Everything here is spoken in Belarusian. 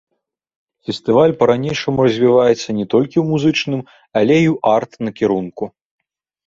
Фестываль па-ранейшаму развіваецца не толькі ў музычным, але і ў арт-накірунку.